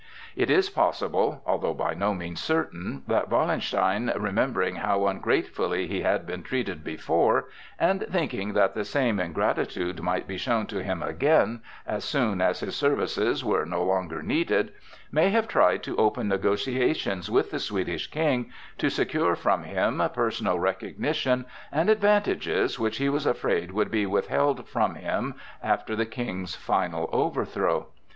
It is possible, although by no means certain, that Wallenstein, remembering how ungratefully he had been treated before, and thinking that the same ingratitude might be shown to him again as soon as his services were no longer needed, may have tried to open negotiations with the Swedish King to secure from him personal recognition and advantages which he was afraid would be withheld from him after the King's final overthrow.